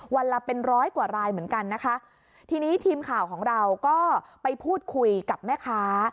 วันละเป็นร้อยกว่ารายเหมือนกันนะคะทีนี้ทีมข่าวของเราก็ไปพูดคุยกับแม่ค้า